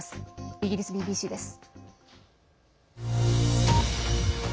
イギリスＢＢＣです。